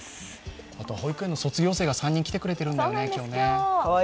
保育園の卒業生が３人来てくれるんだよね。